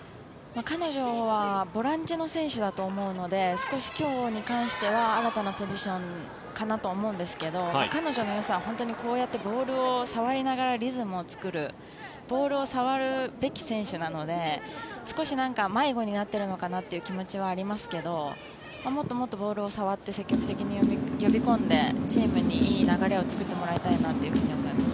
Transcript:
彼女はボランチの選手だと思うので少し今日に関しては新たなポジションかなとは思うんですけど彼女のよさはこうやってボールを触りながらリズムを作るボールを触るべき選手なので少し迷子になっているのかなという気持ちはありますがもっともっとボールに触って積極的に呼び込んでチームにいい流れを作ってもらいたいなと思います。